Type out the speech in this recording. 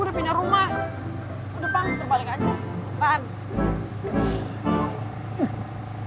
gua udah pindah rumah udah bangun terbalik aja tahan